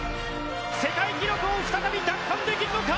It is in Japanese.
世界記録を再び奪還できるのか。